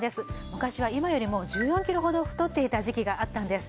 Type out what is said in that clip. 昔は今よりも１４キロほど太っていた時期があったんです。